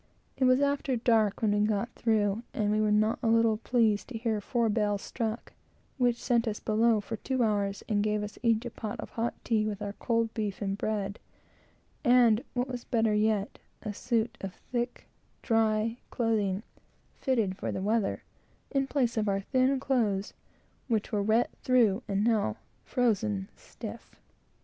It was after dark when we got through, and we were not a little pleased to hear four bells struck, which sent us below for two hours, and gave us each a pot of hot tea with our cold beef and bread, and, what was better yet, a suit of thick, dry clothing, fitted for the weather, in place of our thin clothes, which were wet through and now frozen stiff.